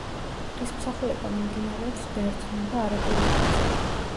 ღვთისმსახურება მიმდინარეობს ბერძნულ და არაბულ ენებზე.